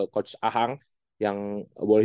coach ahang yang boleh